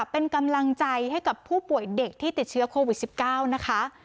เป็นกำลังใจให้กับผู้ป่วยเด็กที่ติดเชื้อโควิด๑๙นะคะ